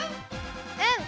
うん！